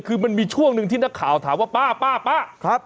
คือมันมีช่วงหนึ่งที่นักข่าวถามว่าป้าป้าครับ